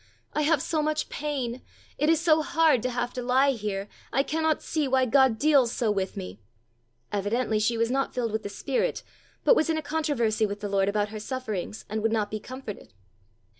"I have so much pain. It is so hard to have to lie here. I cannot see why God deals so with me." Evidently, she was not filled with the Spirit, but was in a controversy with the Lord about her sufferings, and would not be comforted.